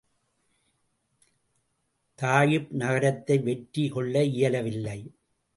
தாயிப் நகரத்தை வெற்றி கொள்ள இயலவில்லை.